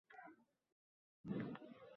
Molingiz yaxshi molg‘a o‘xshaydi, qizim